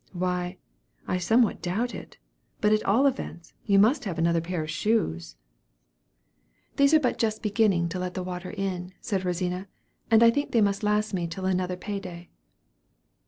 "Why, I somewhat doubt it; but at all events, you must have another pair of shoes." "These are but just beginning to let in the water," said Rosina; "I think they must last me till another pay day."